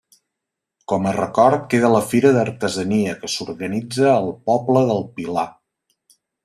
Com a record queda la fira d'artesania que s'organitza al poble del Pilar.